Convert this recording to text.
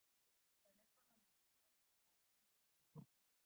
Tener por lo menos quince años de graduación profesional.